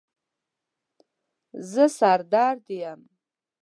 زه سر درد یم